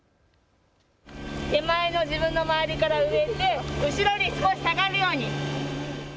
手前の自分の回りから植えて後ろに少し下がるように。